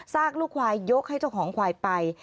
ลูกควายยกให้เจ้าของควายไป